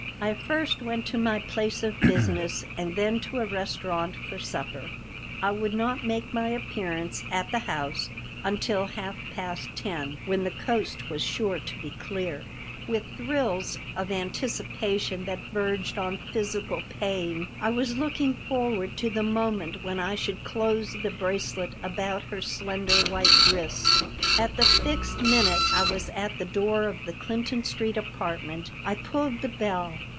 I first went to my place of business and then to a restaurant for supper. I would not make my appearance at the house until half past 10, when the coast was sure to be clear. With thrills of anticipation that verged on physical pain I was looking forward to the moment when I should close the bracelet about her slender white wrist At the fixed minute I was at the door of the Clinton Street apartment. I pulled the bell.